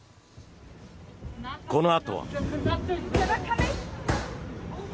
このあとは。